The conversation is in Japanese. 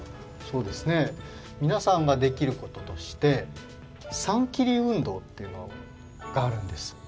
そうですねみなさんができることとして３キリ運動っていうのがあるんです。